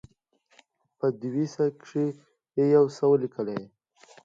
په دوسيه کښې يې څه وليکل.